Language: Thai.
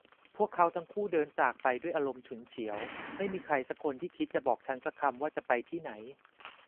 พวกเขาทั้งคู่เดินจากไปด้วยอารมณ์ฉุนเฉียว ไม่มีใครสักคนที่คิดจะบอกฉันสักคำว่าจะไปที่ไหน